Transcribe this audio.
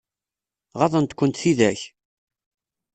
Ɣaḍent-kent tidak?